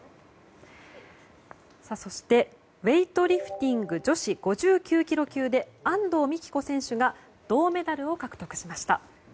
そしてウエイトリフティング女子５９ｋｇ級で安藤美希子選手が銅メダルを獲得しました。